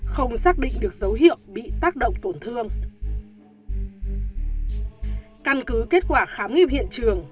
không xác định được dấu hiệu bị tác động tổn thương căn cứ kết quả khám nghiệm hiện trường